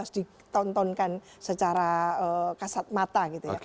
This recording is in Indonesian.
harus ditontonkan secara kasat mata gitu ya